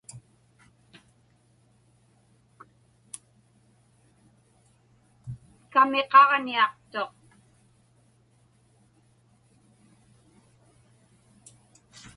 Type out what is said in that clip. Kamiqaġniaqtuq.